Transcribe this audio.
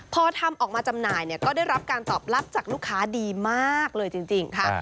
พอทำออกมาจำหน่ายก็ได้รับการตอบรับจากลูกค้าดีมากเลยจริงค่ะ